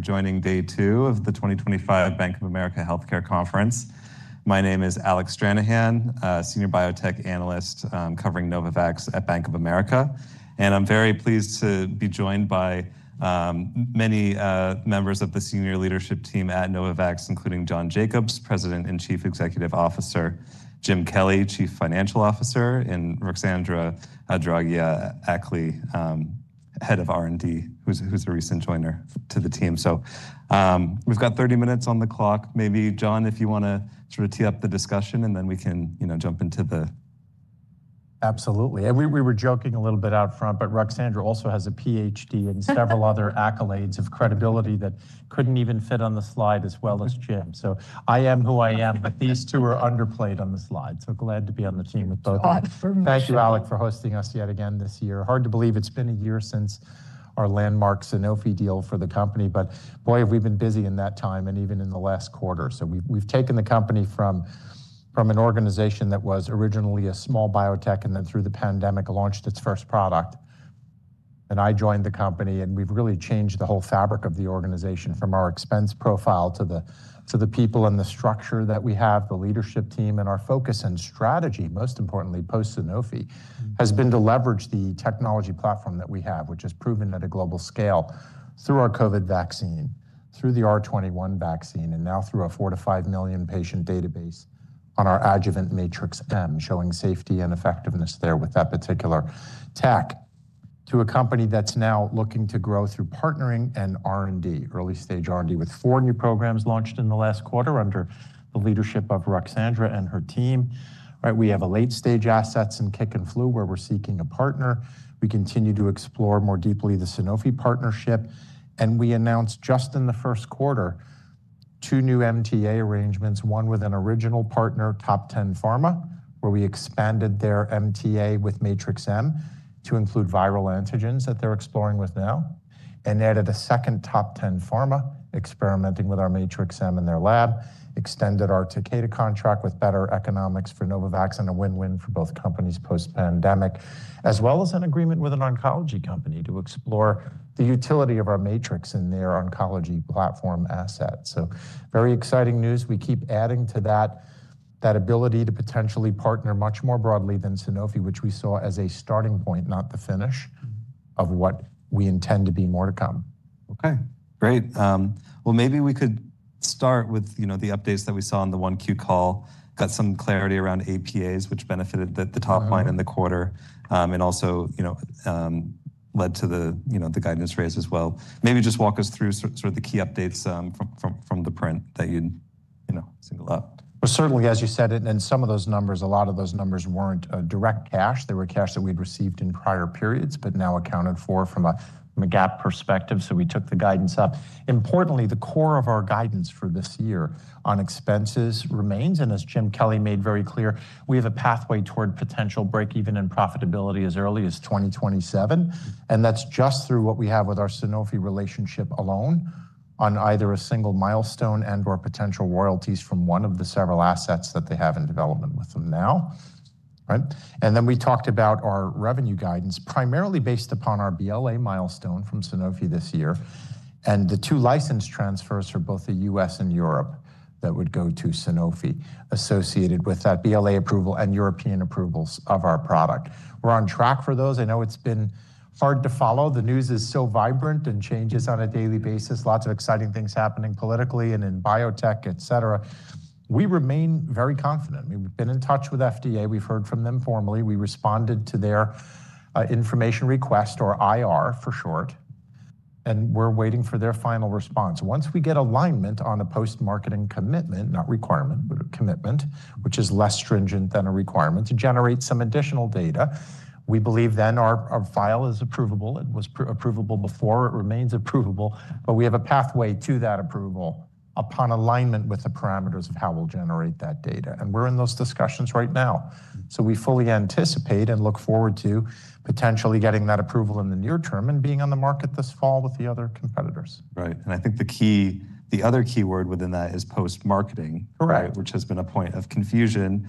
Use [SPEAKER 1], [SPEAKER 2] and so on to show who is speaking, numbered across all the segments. [SPEAKER 1] Joining day two of the 2025 Bank of America Healthcare Conference. My name is Alec Stranahan, a senior biotech analyst covering Novavax at Bank of America. I'm very pleased to be joined by many members of the senior leadership team at Novavax, including John Jacobs, President and Chief Executive Officer, Jim Kelly, Chief Financial Officer, and Ruxandra Draghia-Akli, Head of R&D, who's a recent joiner to the team. We've got 30 minutes on the clock. Maybe, John, if you want to sort of tee up the discussion, and then we can jump into the.
[SPEAKER 2] Absolutely. We were joking a little bit out front, but Ruxandra also has a PhD and several other accolades of credibility that could not even fit on the slide as well as Jim. I am who I am, but these two are underplayed on the slide. Glad to be on the team with both of them. Thank you, Alec, for hosting us yet again this year. Hard to believe it has been a year since our landmark Sanofi deal for the company. Boy, have we been busy in that time, and even in the last quarter. We have taken the company from an organization that was originally a small biotech, and then through the pandemic launched its first product. I joined the company, and we've really changed the whole fabric of the organization from our expense profile to the people and the structure that we have, the leadership team. Our focus and strategy, most importantly post-Sanofi, has been to leverage the technology platform that we have, which has proven at a global scale through our COVID vaccine, through the R21 vaccine, and now through a 4 million-5 million patient database on our adjuvant Matrix-M, showing safety and effectiveness there with that particular tech. To a company that's now looking to grow through partnering and R&D, early stage R&D, with four new programs launched in the last quarter under the leadership of Ruxandra and her team. We have late stage assets in COVID and flu where we're seeking a partner. We continue to explore more deeply the Sanofi partnership. We announced just in the first quarter two new MTA arrangements, one with an original partner, Top 10 Pharma, where we expanded their MTA with Matrix-M to include viral antigens that they are exploring with now. We added a second Top 10 Pharma experimenting with our Matrix-M in their lab, extended our Takeda contract with better economics for Novavax and a win-win for both companies post-pandemic, as well as an agreement with an oncology company to explore the utility of our Matrix-M in their oncology platform assets. Very exciting news. We keep adding to that ability to potentially partner much more broadly than Sanofi, which we saw as a starting point, not the finish of what we intend to be. More to come.
[SPEAKER 1] OK, great. Maybe we could start with the updates that we saw on the Q1 call, got some clarity around APAs, which benefited the top line in the quarter, and also led to the guidance raise as well. Maybe just walk us through sort of the key updates from the print that you single out.
[SPEAKER 2] Certainly, as you said, and some of those numbers, a lot of those numbers were not direct cash. There were cash that we had received in prior periods, but now accounted for from a GAAP perspective. We took the guidance up. Importantly, the core of our guidance for this year on expenses remains. As Jim Kelly made very clear, we have a pathway toward potential break even in profitability as early as 2027. That is just through what we have with our Sanofi relationship alone on either a single milestone and/or potential royalties from one of the several assets that they have in development with them now. We talked about our revenue guidance, primarily based upon our BLA milestone from Sanofi this year. The two license transfers for both the U.S. and Europe that would go to Sanofi are associated with that BLA approval and European approvals of our product. We are on track for those. I know it has been hard to follow. The news is so vibrant and changes on a daily basis. Lots of exciting things happening politically and in biotech, et cetera. We remain very confident. We have been in touch with FDA. We have heard from them formally. We responded to their information request, or IR for short. We are waiting for their final response. Once we get alignment on a post-marketing commitment, not requirement, but a commitment, which is less stringent than a requirement, to generate some additional data, we believe then our file is approvable. It was approvable before. It remains approvable. We have a pathway to that approval upon alignment with the parameters of how we'll generate that data. We're in those discussions right now. We fully anticipate and look forward to potentially getting that approval in the near term and being on the market this fall with the other competitors.
[SPEAKER 1] Right. I think the key, the other key word within that is post-marketing, which has been a point of confusion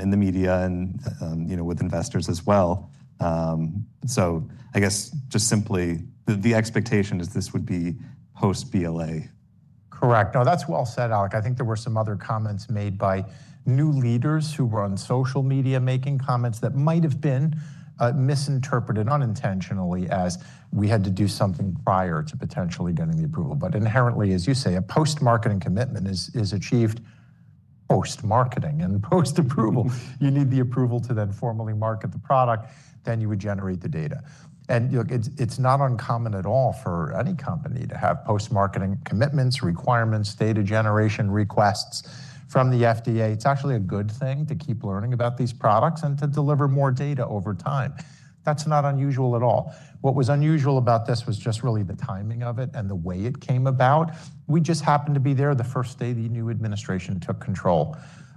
[SPEAKER 1] in the media and with investors as well. I guess just simply the expectation is this would be post-BLA.
[SPEAKER 2] Correct. No, that's well said, Alec. I think there were some other comments made by new leaders who were on social media making comments that might have been misinterpreted unintentionally as we had to do something prior to potentially getting the approval. Inherently, as you say, a post-marketing commitment is achieved post-marketing and post-approval. You need the approval to then formally market the product. You would generate the data. It's not uncommon at all for any company to have post-marketing commitments, requirements, data generation requests from the FDA. It's actually a good thing to keep learning about these products and to deliver more data over time. That's not unusual at all. What was unusual about this was just really the timing of it and the way it came about. We just happened to be there the first day the new administration took control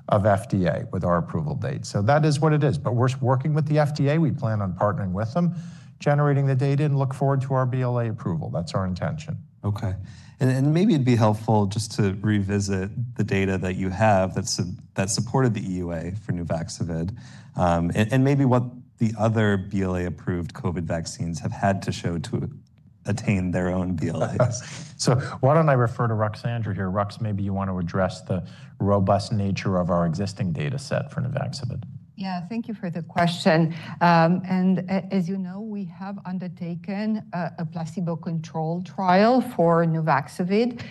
[SPEAKER 2] of FDA with our approval date. That is what it is. We are working with the FDA. We plan on partnering with them, generating the data, and look forward to our BLA approval. That is our intention.
[SPEAKER 1] OK. Maybe it'd be helpful just to revisit the data that you have that supported the EUA for Nuvaxovid and maybe what the other BLA-approved COVID vaccines have had to show to attain their own BLAs.
[SPEAKER 2] Why don't I refer to Ruxandra here? Rux, maybe you want to address the robust nature of our existing data set for Nuvaxovid.
[SPEAKER 3] Yeah, thank you for the question. As you know, we have undertaken a placebo-controlled trial for Nuvaxovid.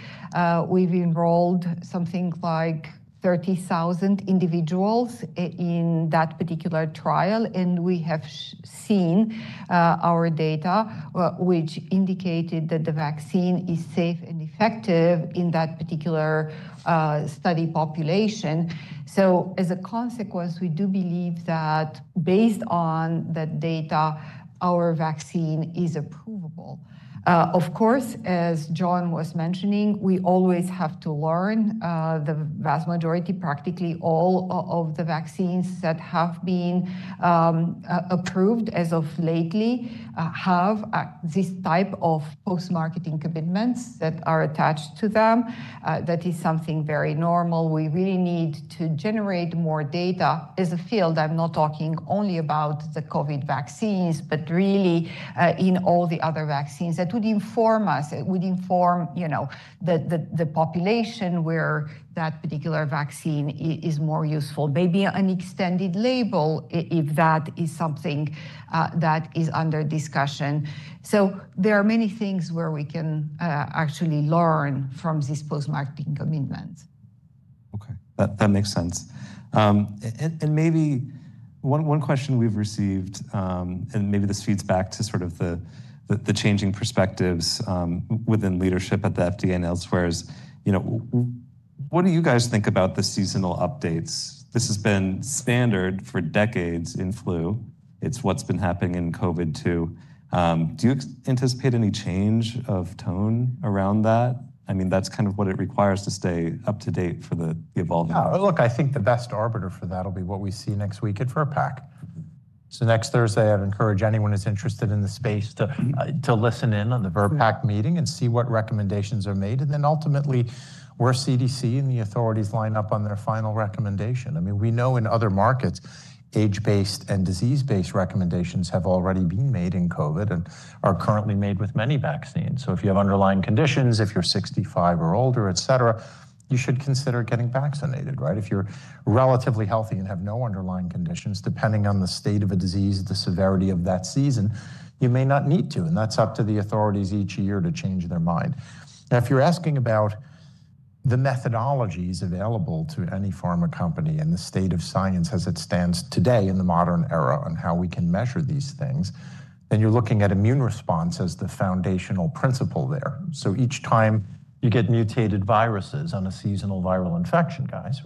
[SPEAKER 3] We've enrolled something like 30,000 individuals in that particular trial. We have seen our data, which indicated that the vaccine is safe and effective in that particular study population. As a consequence, we do believe that based on that data, our vaccine is approvable. Of course, as John was mentioning, we always have to learn. The vast majority, practically all of the vaccines that have been approved as of lately have this type of post-marketing commitments that are attached to them. That is something very normal. We really need to generate more data as a field. I'm not talking only about the COVID vaccines, but really in all the other vaccines that would inform us. It would inform the population where that particular vaccine is more useful, maybe an extended label if that is something that is under discussion. There are many things where we can actually learn from these post-marketing commitments.
[SPEAKER 1] OK, that makes sense. Maybe one question we've received, and maybe this feeds back to sort of the changing perspectives within leadership at the FDA and elsewhere, is what do you guys think about the seasonal updates? This has been standard for decades in flu. It's what's been happening in COVID too. Do you anticipate any change of tone around that? I mean, that's kind of what it requires to stay up to date for the evolving.
[SPEAKER 2] Look, I think the best arbiter for that will be what we see next week at VRBPAC. Next Thursday, I'd encourage anyone who's interested in the space to listen in on the VRBPAC meeting and see what recommendations are made. Ultimately, where CDC and the authorities line up on their final recommendation. I mean, we know in other markets, age-based and disease-based recommendations have already been made in COVID and are currently made with many vaccines. If you have underlying conditions, if you're 65 or older, et cetera, you should consider getting vaccinated. If you're relatively healthy and have no underlying conditions, depending on the state of a disease, the severity of that season, you may not need to. That's up to the authorities each year to change their mind. Now, if you're asking about the methodologies available to any pharma company and the state of science as it stands today in the modern era and how we can measure these things, then you're looking at immune response as the foundational principle there. Each time you get mutated viruses on a seasonal viral infection, guys,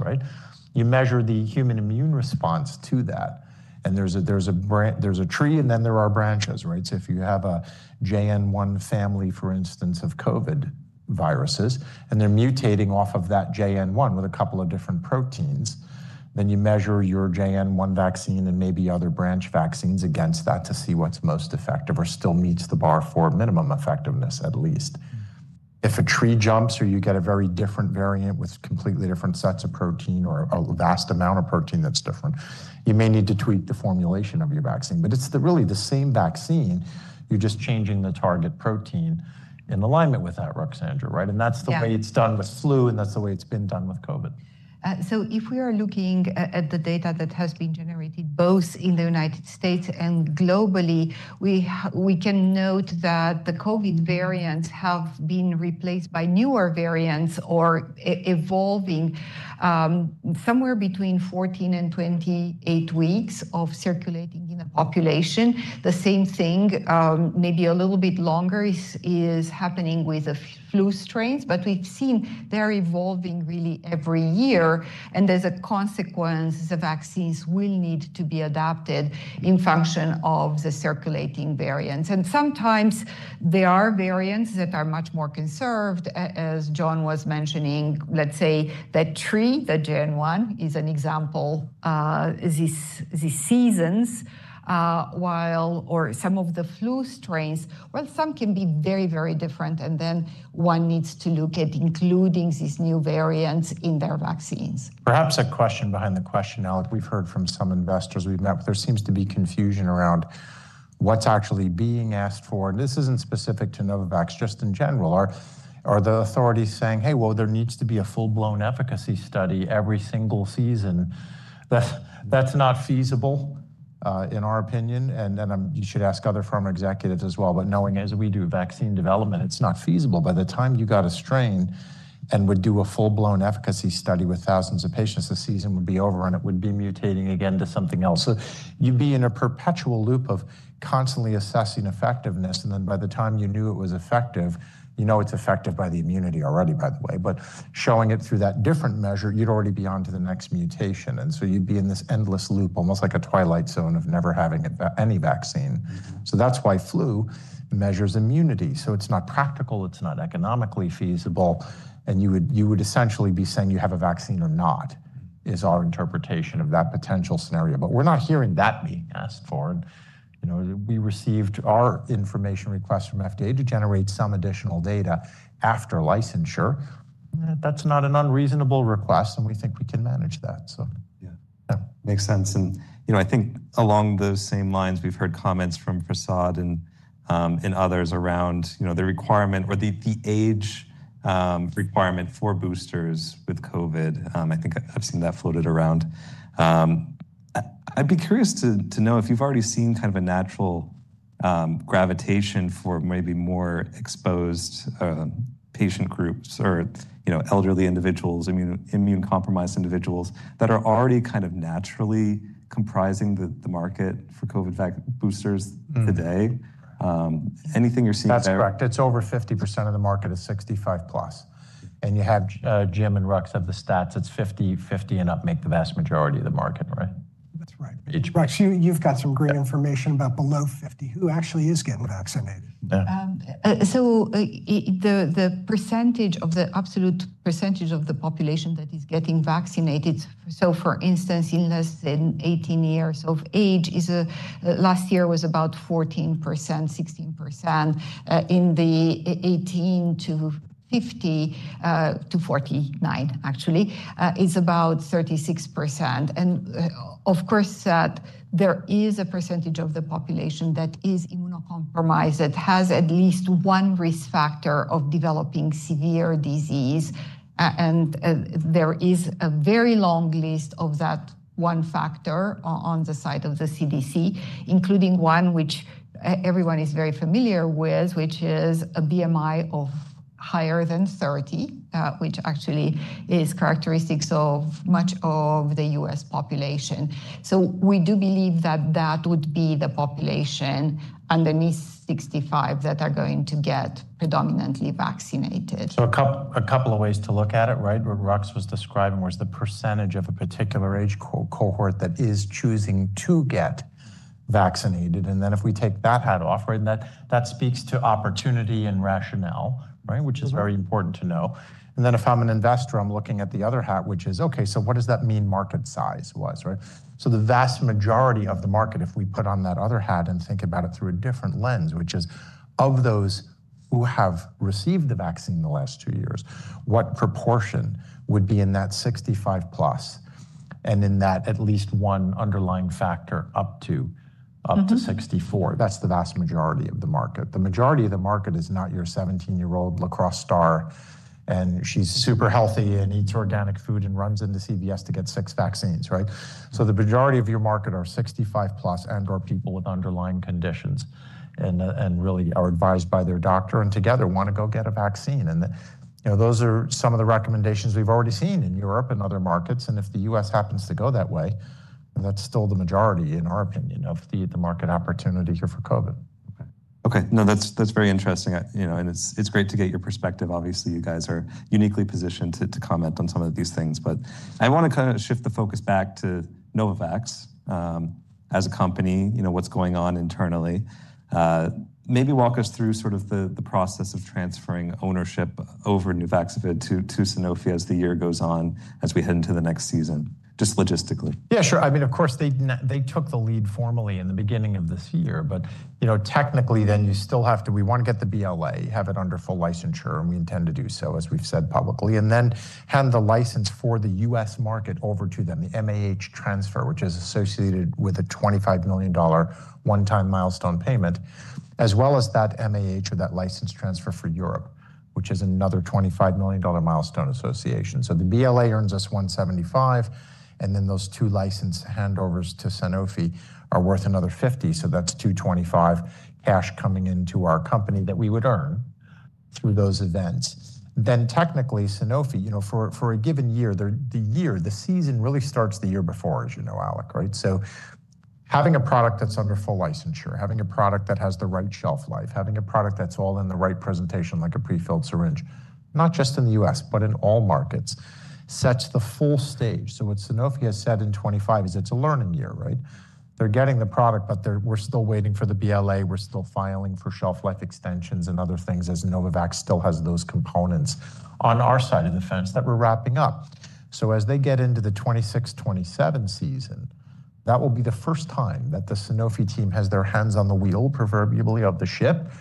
[SPEAKER 2] you measure the human immune response to that. There's a tree, and then there are branches. If you have a JN.1 family, for instance, of COVID viruses, and they're mutating off of that JN.1 with a couple of different proteins, you measure your JN.1 vaccine and maybe other branch vaccines against that to see what's most effective or still meets the bar for minimum effectiveness at least. If a tree jumps or you get a very different variant with completely different sets of protein or a vast amount of protein that's different, you may need to tweak the formulation of your vaccine. It is really the same vaccine. You're just changing the target protein in alignment with that, Ruxandra. That is the way it's done with flu, and that is the way it's been done with COVID.
[SPEAKER 3] If we are looking at the data that has been generated both in the United States and globally, we can note that the COVID variants have been replaced by newer variants or evolving somewhere between 14-28 weeks of circulating in the population. The same thing, maybe a little bit longer, is happening with the flu strains. We have seen they are evolving really every year. As a consequence, the vaccines will need to be adapted in function of the circulating variants. Sometimes there are variants that are much more conserved, as John was mentioning. Let's say that tree, the JN.1, is an example of these seasons, while some of the flu strains, some can be very, very different. Then one needs to look at including these new variants in their vaccines.
[SPEAKER 2] Perhaps a question behind the question, Alec. We've heard from some investors we've met with. There seems to be confusion around what's actually being asked for. This isn't specific to Novavax, just in general. Are the authorities saying, hey, well, there needs to be a full-blown efficacy study every single season? That's not feasible, in our opinion. You should ask other pharma executives as well. Knowing as we do vaccine development, it's not feasible. By the time you got a strain and would do a full-blown efficacy study with thousands of patients, the season would be over, and it would be mutating again to something else. You'd be in a perpetual loop of constantly assessing effectiveness. By the time you knew it was effective, you know it's effective by the immunity already, by the way. Showing it through that different measure, you'd already be on to the next mutation. You'd be in this endless loop, almost like a twilight zone of never having any vaccine. That is why flu measures immunity. It is not practical. It is not economically feasible. You would essentially be saying you have a vaccine or not, is our interpretation of that potential scenario. We are not hearing that being asked for. We received our information request from FDA to generate some additional data after licensure. That is not an unreasonable request. We think we can manage that.
[SPEAKER 1] Yeah, makes sense. I think along those same lines, we've heard comments from Fasad and others around the requirement or the age requirement for boosters with COVID. I think I've seen that floated around. I'd be curious to know if you've already seen kind of a natural gravitation for maybe more exposed patient groups or elderly individuals, immune-compromised individuals that are already kind of naturally comprising the market for COVID vaccine boosters today. Anything you're seeing there?
[SPEAKER 2] That's correct. It's over 50% of the market is 65+. And you have Jim and Rux have the stats. It's 50/50 and up make the vast majority of the market, right?
[SPEAKER 4] That's right. Right. So you've got some great information about below 50 who actually is getting vaccinated.
[SPEAKER 3] The percentage of the absolute percentage of the population that is getting vaccinated, for instance, in less than 18 years of age, last year was about 14%-16%. In the 18-49, actually, it is about 36%. Of course, there is a percentage of the population that is immunocompromised, that has at least one risk factor of developing severe disease. There is a very long list of that one factor on the side of the CDC, including one which everyone is very familiar with, which is a BMI of higher than 30, which actually is characteristic of much of the U.S. population. We do believe that that would be the population underneath 65 that are going to get predominantly vaccinated.
[SPEAKER 2] A couple of ways to look at it, right? What Rux was describing was the percentage of a particular age cohort that is choosing to get vaccinated. If we take that hat off, that speaks to opportunity and rationale, which is very important to know. If I'm an investor, I'm looking at the other hat, which is, OK, so what does that mean market size was? The vast majority of the market, if we put on that other hat and think about it through a different lens, which is of those who have received the vaccine in the last two years, what proportion would be in that 65+ and in that at least one underlying factor up to 64? That is the vast majority of the market. The majority of the market is not your 17-year-old lacrosse star, and she's super healthy and eats organic food and runs into CVS to get six vaccines. The majority of your market are 65+ and/or people with underlying conditions and really are advised by their doctor and together want to go get a vaccine. Those are some of the recommendations we've already seen in Europe and other markets. If the U.S. happens to go that way, that's still the majority, in our opinion, of the market opportunity here for COVID.
[SPEAKER 1] OK. No, that's very interesting. It's great to get your perspective. Obviously, you guys are uniquely positioned to comment on some of these things. I want to kind of shift the focus back to Novavax as a company, what's going on internally. Maybe walk us through sort of the process of transferring ownership over Nuvaxovid to Sanofi as the year goes on, as we head into the next season, just logistically.
[SPEAKER 2] Yeah, sure. I mean, of course, they took the lead formally in the beginning of this year. But technically, then you still have to, we want to get the BLA, have it under full licensure. And we intend to do so, as we've said publicly, and then hand the license for the U.S. market over to them, the MAH transfer, which is associated with a $25 million one-time milestone payment, as well as that MAH or that license transfer for Europe, which is another $25 million milestone association. So the BLA earns us $175 million. And then those two license handovers to Sanofi are worth another $50 million. So that's $225 million cash coming into our company that we would earn through those events. Then technically, Sanofi, for a given year, the season really starts the year before, as you know, Alec. Having a product that's under full licensure, having a product that has the right shelf life, having a product that's all in the right presentation, like a prefilled syringe, not just in the U.S., but in all markets, sets the full stage. What Sanofi has said in 2025 is it's a learning year. They're getting the product, but we're still waiting for the BLA. We're still filing for shelf life extensions and other things as Novavax still has those components on our side of the fence that we're wrapping up. As they get into the 2026, 2027 season, that will be the first time that the Sanofi team has their hands on the wheel, proverbially, of the ship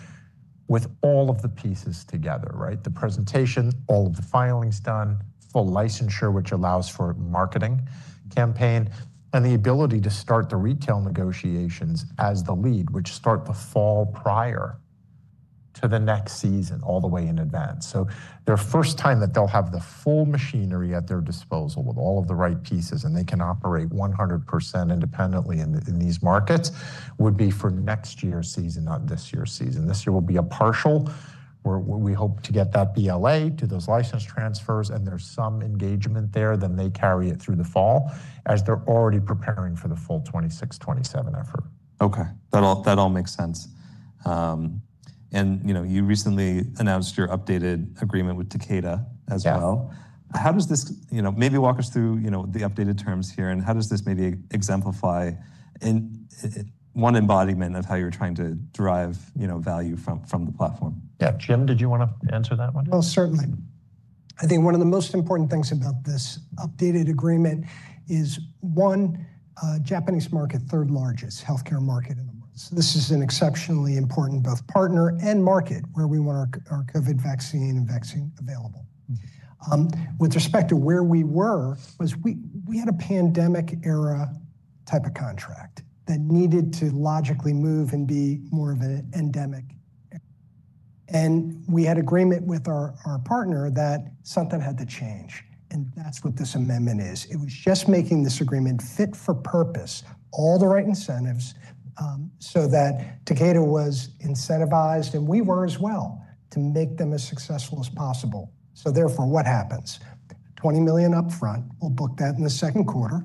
[SPEAKER 2] with all of the pieces together, the presentation, all of the filings done, full licensure, which allows for marketing campaign, and the ability to start the retail negotiations as the lead, which start the fall prior to the next season all the way in advance. Their first time that they'll have the full machinery at their disposal with all of the right pieces, and they can operate 100% independently in these markets would be for next year's season, not this year's season. This year will be a partial where we hope to get that BLA to those license transfers. And there's some engagement there. They carry it through the fall as they're already preparing for the full 2026, 2027 effort.
[SPEAKER 1] OK, that all makes sense. You recently announced your updated agreement with Takeda as well. How does this maybe walk us through the updated terms here? How does this maybe exemplify one embodiment of how you're trying to derive value from the platform?
[SPEAKER 2] Yeah, Jim, did you want to answer that one?
[SPEAKER 4] Certainly. I think one of the most important things about this updated agreement is, one, Japanese market, third largest health care market in the world. This is an exceptionally important both partner and market where we want our COVID vaccine and vaccine available. With respect to where we were, we had a pandemic-era type of contract that needed to logically move and be more of an endemic. We had agreement with our partner that something had to change. That is what this amendment is. It was just making this agreement fit for purpose, all the right incentives, so that Takeda was incentivized, and we were as well, to make them as successful as possible. Therefore, what happens? $20 million upfront. We'll book that in the second quarter.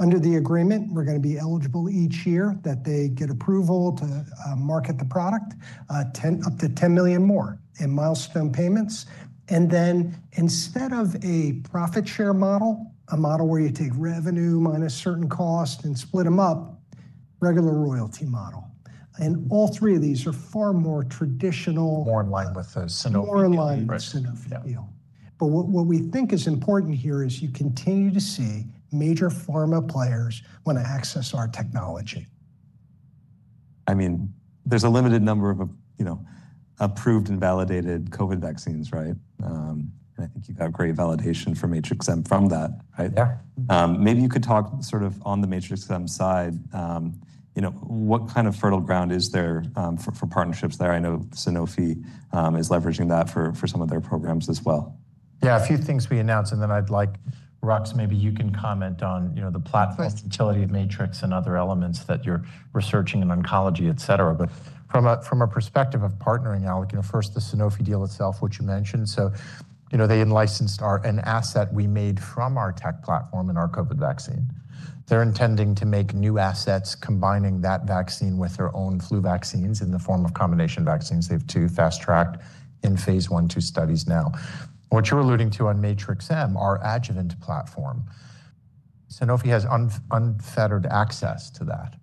[SPEAKER 4] Under the agreement, we're going to be eligible each year that they get approval to market the product, up to $10 million more in milestone payments. Then instead of a profit share model, a model where you take revenue minus certain costs and split them up, regular royalty model. All three of these are far more traditional.
[SPEAKER 2] More in line with the Sanofi deal.
[SPEAKER 4] More in line with Sanofi deal. What we think is important here is you continue to see major pharma players want to access our technology.
[SPEAKER 1] I mean, there's a limited number of approved and validated COVID vaccines, right? I think you've got great validation for Matrix-M from that. Maybe you could talk sort of on the Matrix-M side. What kind of fertile ground is there for partnerships there? I know Sanofi is leveraging that for some of their programs as well.
[SPEAKER 2] Yeah, a few things we announced. I'd like Rux, maybe you can comment on the platform's utility of Matrix and other elements that you're researching in oncology, et cetera. From a perspective of partnering, Alec, first, the Sanofi deal itself, what you mentioned. They licensed an asset we made from our tech platform and our COVID vaccine. They're intending to make new assets combining that vaccine with their own flu vaccines in the form of combination vaccines. They have two fast-tracked in phase I, II studies now. What you're alluding to on Matrix-M, our adjuvant platform, Sanofi has unfettered access to that.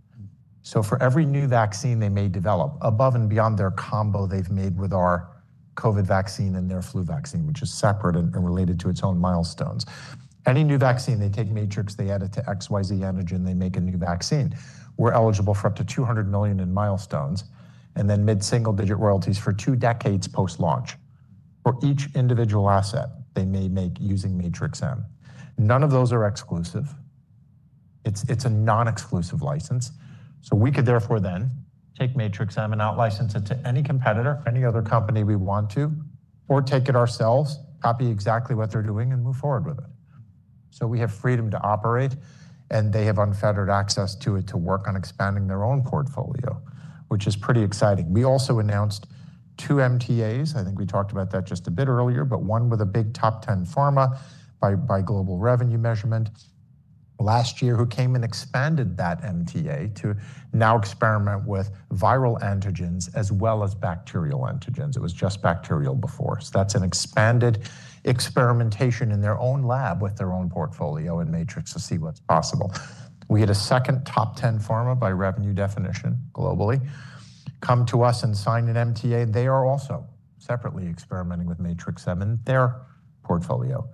[SPEAKER 2] For every new vaccine they may develop, above and beyond their combo they've made with our COVID vaccine and their flu vaccine, which is separate and related to its own milestones. Any new vaccine, they take Matrix, they add it to XYZ antigen, they make a new vaccine. We're eligible for up to $200 million in milestones and then mid-single-digit royalties for two decades post-launch for each individual asset they may make using Matrix-M. None of those are exclusive. It's a non-exclusive license. We could therefore then take Matrix-M and out-license it to any competitor, any other company we want to, or take it ourselves, copy exactly what they're doing, and move forward with it. We have freedom to operate. They have unfettered access to it to work on expanding their own portfolio, which is pretty exciting. We also announced two MTAs. I think we talked about that just a bit earlier, but one with a big top 10 pharma by global revenue measurement last year who came and expanded that MTA to now experiment with viral antigens as well as bacterial antigens. It was just bacterial before. That is an expanded experimentation in their own lab with their own portfolio and Matrix to see what's possible. We had a second top 10 pharma by revenue definition globally come to us and sign an MTA. They are also separately experimenting with Matrix-M and their portfolio.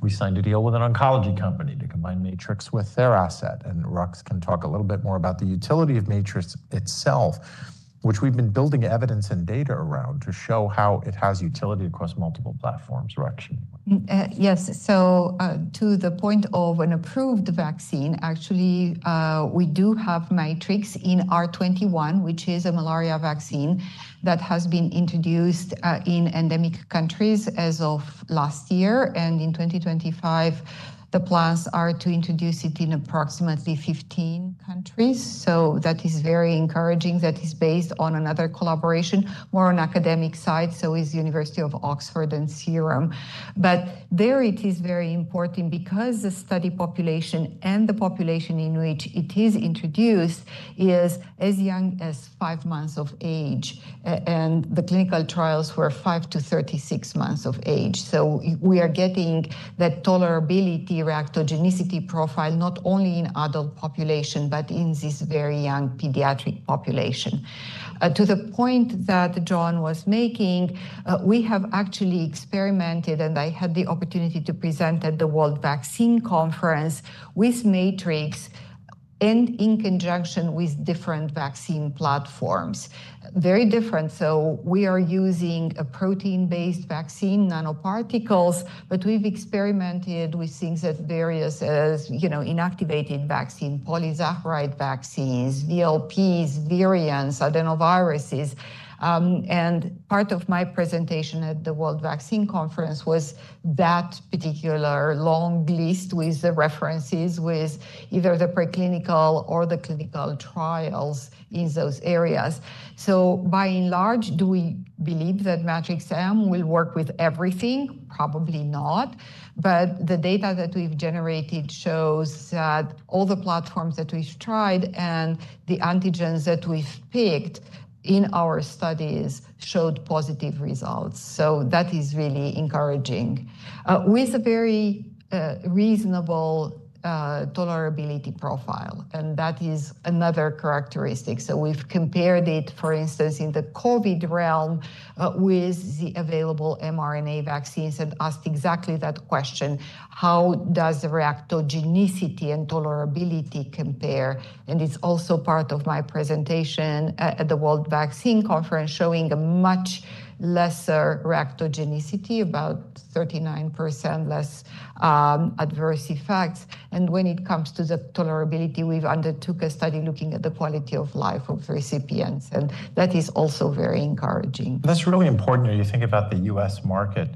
[SPEAKER 2] We signed a deal with an oncology company to combine Matrix with their asset. Rux can talk a little bit more about the utility of Matrix itself, which we have been building evidence and data around to show how it has utility across multiple platforms, Rakshin?
[SPEAKER 3] Yes. To the point of an approved vaccine, actually, we do have Matrix-M in R21, which is a malaria vaccine that has been introduced in endemic countries as of last year. In 2025, the plans are to introduce it in approximately 15 countries. That is very encouraging. That is based on another collaboration, more on the academic side, so it is the University of Oxford and Serum. There it is very important because the study population and the population in which it is introduced is as young as five months of age. The clinical trials were 5-36 months of age. We are getting that tolerability reactogenicity profile not only in adult population but in this very young pediatric population. To the point that John was making, we have actually experimented, and I had the opportunity to present at the World Vaccine Conference with Matrix-M and in conjunction with different vaccine platforms. Very different. We are using a protein-based vaccine, nanoparticles. We have experimented with things as various inactivated vaccine, polysaccharide vaccines, VLPs, variants, adenoviruses. Part of my presentation at the World Vaccine Conference was that particular long list with the references with either the preclinical or the clinical trials in those areas. By and large, do we believe that Matrix-M will work with everything? Probably not. The data that we have generated shows that all the platforms that we have tried and the antigens that we have picked in our studies showed positive results. That is really encouraging with a very reasonable tolerability profile. That is another characteristic. We have compared it, for instance, in the COVID realm with the available mRNA vaccines and asked exactly that question, how does the reactogenicity and tolerability compare? It is also part of my presentation at the World Vaccine Conference showing a much lesser reactogenicity, about 39% less adverse effects. When it comes to the tolerability, we have undertaken a study looking at the quality of life of recipients. That is also very encouraging.
[SPEAKER 2] That's really important when you think about the U.S. market,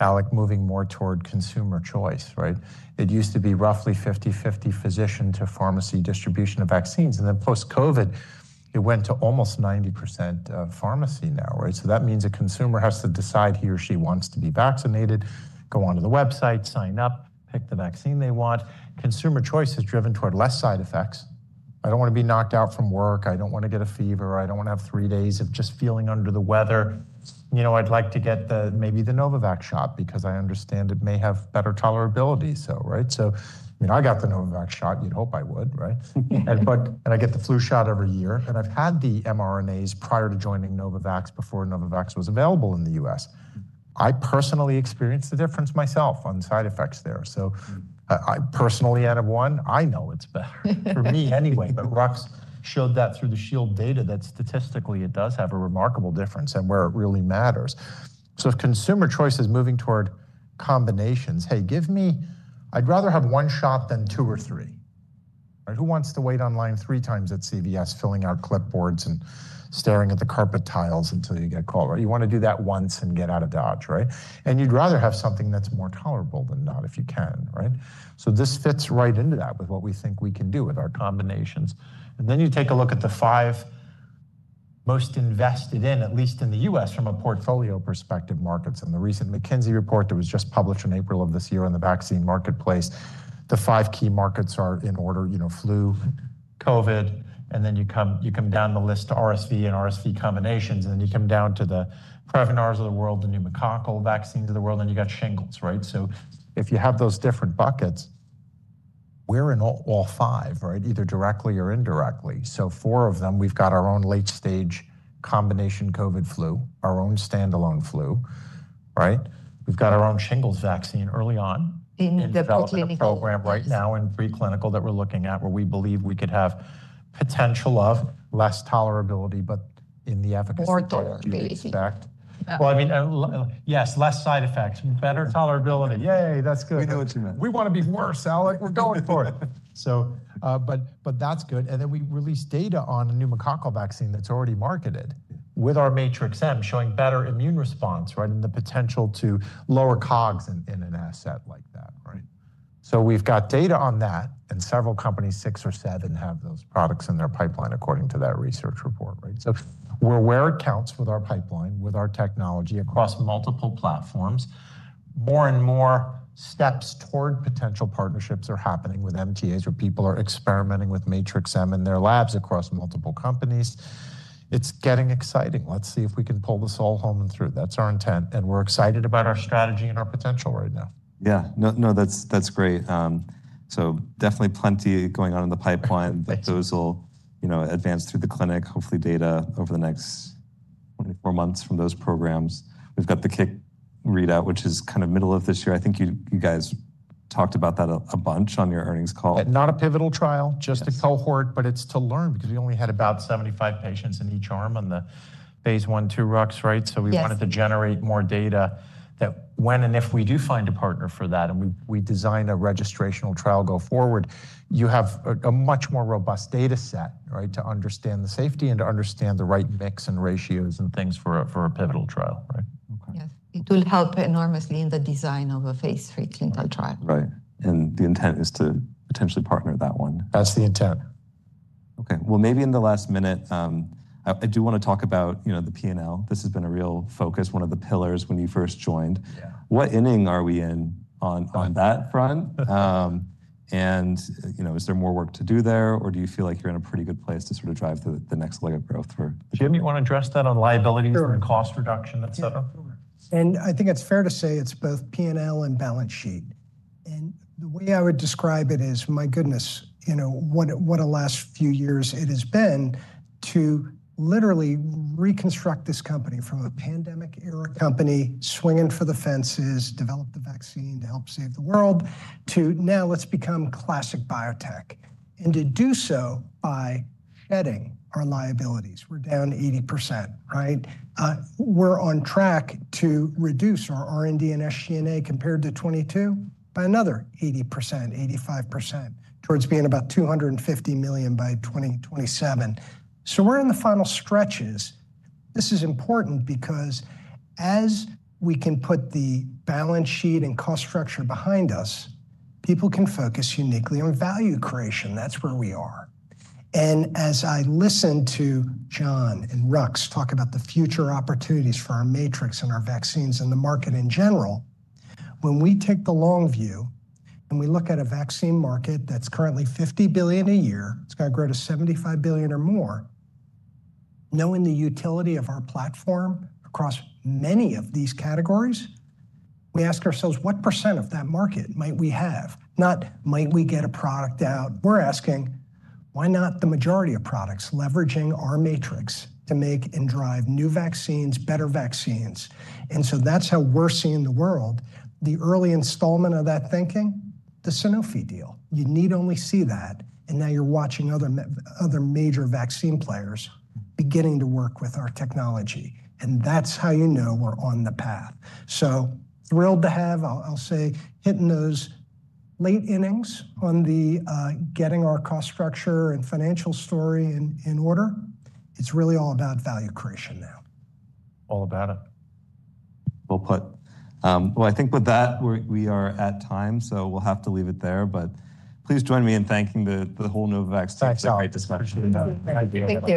[SPEAKER 2] Alec, moving more toward consumer choice. It used to be roughly 50/50 physician to pharmacy distribution of vaccines. After COVID, it went to almost 90% pharmacy now. That means a consumer has to decide he or she wants to be vaccinated, go onto the website, sign up, pick the vaccine they want. Consumer choice is driven toward less side effects. I don't want to be knocked out from work. I don't want to get a fever. I don't want to have three days of just feeling under the weather. You know, I'd like to get maybe the Novavax shot because I understand it may have better tolerability. I got the Novavax shot. You'd hope I would. I get the flu shot every year. I've had the mRNAs prior to joining Novavax before Novavax was available in the U.S. I personally experienced the difference myself on side effects there. I personally added one. I know it's better for me anyway. Rux showed that through the Shield data that statistically it does have a remarkable difference and where it really matters. If consumer choice is moving toward combinations, hey, give me I'd rather have one shot than two or three. Who wants to wait on line three times at CVS filling out clipboards and staring at the carpet tiles until you get called? You want to do that once and get out of dodge. You'd rather have something that's more tolerable than not if you can. This fits right into that with what we think we can do with our combinations. You take a look at the five most invested in, at least in the U.S. from a portfolio perspective, markets. The recent McKinsey report that was just published in April of this year on the vaccine marketplace, the five key markets are in order, flu, COVID. You come down the list to RSV and RSV combinations. You come down to the Prevnar's of the world, the pneumococcal vaccines of the world. You have shingles. If you have those different buckets, we're in all five, either directly or indirectly. Four of them, we've got our own late-stage combination COVID flu, our own standalone flu. We've got our own shingles vaccine early on. In development. In the clinical program right now and preclinical that we're looking at where we believe we could have potential of less tolerability, but in the efficacy of the effect.
[SPEAKER 3] Or therapy.
[SPEAKER 2] I mean, yes, less side effects, better tolerability.
[SPEAKER 1] Yay, that's good. We know what you meant.
[SPEAKER 2] We want to be worse, Alec. We're going for it. That is good. Then we released data on a pneumococcal vaccine that is already marketed with our Matrix-M showing better immune response and the potential to lower COGS in an asset like that. We have data on that. Several companies, six or seven, have those products in their pipeline according to that research report. We are where it counts with our pipeline, with our technology across multiple platforms. More and more steps toward potential partnerships are happening with MTAs where people are experimenting with Matrix-M in their labs across multiple companies. It is getting exciting. Let's see if we can pull this all home and through. That is our intent. We are excited about our strategy and our potential right now.
[SPEAKER 1] Yeah, no, that's great. Definitely plenty going on in the pipeline. Thanks. Those will advance through the clinic, hopefully data over the next four months from those programs. We have the KICK readout, which is kind of middle of this year. I think you guys talked about that a bunch on your earnings call.
[SPEAKER 2] Not a pivotal trial, just a cohort. It is to learn because we only had about 75 patients in each arm on the phase I, II, Rux. We wanted to generate more data that when and if we do find a partner for that and we design a registrational trial going forward, you have a much more robust data set to understand the safety and to understand the right mix and ratios and things for a pivotal trial.
[SPEAKER 3] Yes. It will help enormously in the design of a phase III clinical trial.
[SPEAKER 1] Right. The intent is to potentially partner that one.
[SPEAKER 2] That's the intent.
[SPEAKER 1] OK. Maybe in the last minute, I do want to talk about the P&L. This has been a real focus, one of the pillars when you first joined. What inning are we in on that front? Is there more work to do there? Do you feel like you're in a pretty good place to sort of drive the next leg of growth for?
[SPEAKER 2] Jim, you want to address that on liabilities and cost reduction, et cetera?
[SPEAKER 4] I think it's fair to say it's both P&L and balance sheet. The way I would describe it is, my goodness, what a last few years it has been to literally reconstruct this company from a pandemic-era company swinging for the fences, develop the vaccine to help save the world to now let's become classic biotech. To do so by shedding our liabilities. We're down 80%. We're on track to reduce our R&D and SG&A compared to 2022 by another 80%-85% towards being about $250 million by 2027. We're in the final stretches. This is important because as we can put the balance sheet and cost structure behind us, people can focus uniquely on value creation. That's where we are. As I listen to John and Rux talk about the future opportunities for our Matrix and our vaccines and the market in general, when we take the long view and we look at a vaccine market that is currently $50 billion a year, it is going to grow to $75 billion or more, knowing the utility of our platform across many of these categories, we ask ourselves, what percentage of that market might we have? Not might we get a product out? We are asking, why not the majority of products leveraging our Matrix to make and drive new vaccines, better vaccines? That is how we are seeing the world. The early installment of that thinking, the Sanofi deal. You need only see that. Now you are watching other major vaccine players beginning to work with our technology. That is how you know we are on the path. Thrilled to have, I'll say, hitting those late innings on getting our cost structure and financial story in order. It's really all about value creation now.
[SPEAKER 1] All about it. I think with that, we are at time. So we'll have to leave it there. But please join me in thanking the whole Novavax Tech Summit.
[SPEAKER 4] Thanks so much.